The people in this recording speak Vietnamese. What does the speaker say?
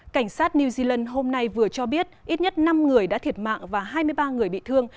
cảnh sát new zealand hôm nay vừa cho biết ít nhất năm người đã thiệt mạng và hai mươi ba người bị thương